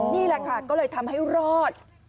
นี่แหละค่ะก็เลยทำให้รอด